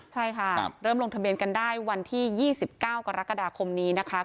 ใช่ค่ะเริ่มลงทะเบียนกันได้วันที่๒๙กรกฎาคมนี้นะคะ